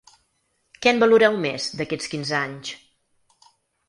Què en valoreu més, d’aquests quinze anys?